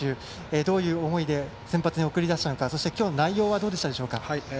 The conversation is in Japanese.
どういう思いで先発に送り出したのかそして今日の内容はどうでしたか？